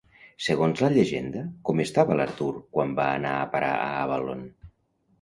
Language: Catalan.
Segons la llegenda, com estava l'Artur quan va anar a parar a Avalon?